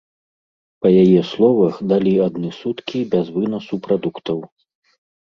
Па яе словах, далі адны суткі без вынасу прадуктаў.